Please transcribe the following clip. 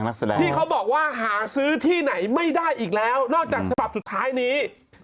นักแสดงที่เขาบอกว่าหาซื้อที่ไหนไม่ได้อีกแล้วนอกจากฉบับสุดท้ายนี้